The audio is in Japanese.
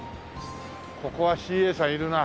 ここはＣＡさんいるな。